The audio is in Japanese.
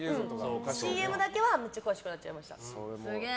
ＣＭだけはめっちゃ詳しくなっちゃいました。